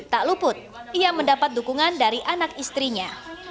tak luput ia mendapat dukungan dari anak istrinya